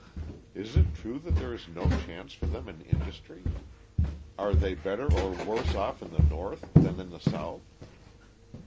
Is it true that there is no chance for them in industry? Are they better or worse off in the North than in the South?